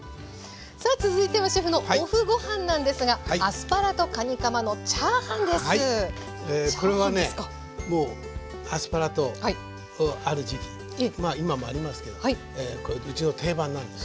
さあ続いてはシェフのＯＦＦごはんなんですがはいこれはねアスパラのある時期今もありますけどうちの定番なんです。